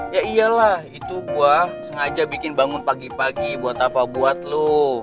ya iyalah itu gue sengaja bikin bangun pagi pagi buat apa buat lo